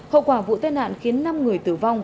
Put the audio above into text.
hậu quả vụ tai nạn khiến năm người tử vong